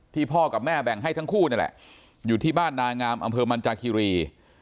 พ่อกับแม่แบ่งให้ทั้งคู่นี่แหละอยู่ที่บ้านนางามอำเภอมันจากคิรี